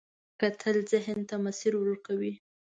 کتل ذهن ته مسیر ورکوي